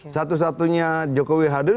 satu satunya jokowi hadir